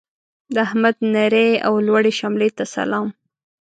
د احمد نرې او لوړې شملې ته سلام.